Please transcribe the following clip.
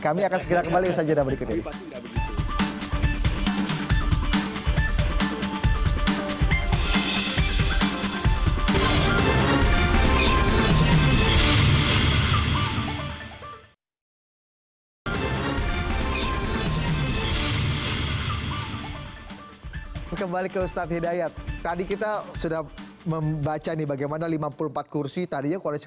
kami akan segera kembali ke usai jedah berikut ini